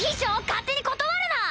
勝手に断るな！